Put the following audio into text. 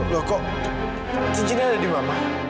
loh kok cincinnya ada di mama